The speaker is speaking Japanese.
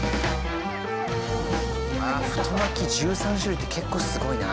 ああ太巻き１３種類って結構すごいな。